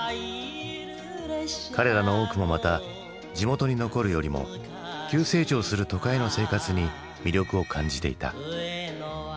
彼らの多くもまた地元に残るよりも急成長する都会の生活に魅力を感じていた。